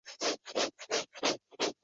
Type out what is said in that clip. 吉林农业科技学院地处吉林省吉林市。